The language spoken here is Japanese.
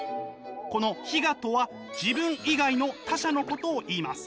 この非我とは自分以外の他者のことをいいます。